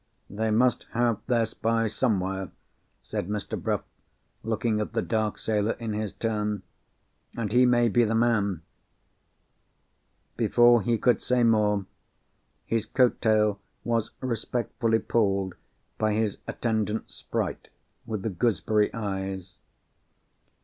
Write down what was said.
"They must have their spy somewhere," said Mr. Bruff, looking at the dark sailor in his turn. "And he may be the man." Before he could say more, his coat tail was respectfully pulled by his attendant sprite with the gooseberry eyes.